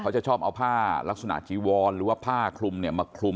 ชอบเอาผ้าลักษณะจีวอนหรือว่าผ้าคลุมเนี่ยมาคลุม